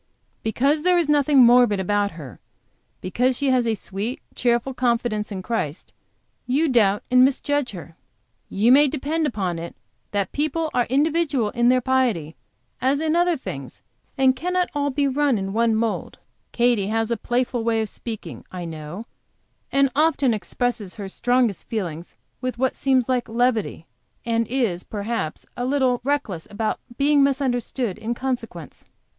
Because there is nothing morbid about her, because she has a sweet, cheerful confidence in Christ; you doubt and misjudge her. You may depend upon it that people are individual in their piety as in other things, and cannot all be run in one mould. Katy has a playful way of speaking, I know, and often expresses her strongest feelings with what seems like levity, and is, perhaps, a little reckless about being misunderstood in consequence."